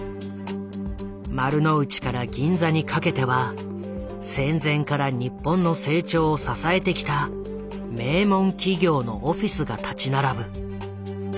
丸の内から銀座にかけては戦前から日本の成長を支えてきた名門企業のオフィスが立ち並ぶ。